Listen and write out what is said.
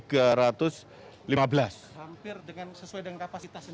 hampir dengan sesuai dengan kapasitas